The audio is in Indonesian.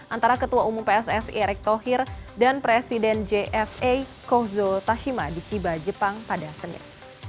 antara ketua umum pssi erick thohir dan presiden jfa kozo tashima di chiba jepang pada senin